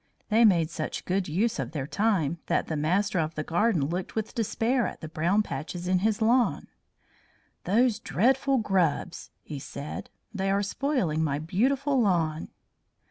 They made such good use of their time that the master of the garden looked with despair at the brown patches in his lawn. "Those dreadful grubs!" he said. "They are spoiling my beautiful lawn."